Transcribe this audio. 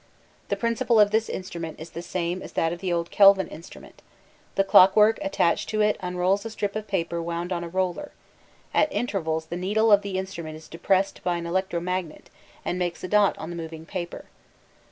The principle of this instrument is the same as that of the old Kelvin instrument; the clockwork attached to it unrolls a strip of paper wound on a roller; at intervals the needle of the instrument is depressed by an electromagnet and makes a dot on the moving paper.